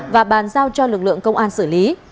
và bàn giao cho lực lượng công an xử lý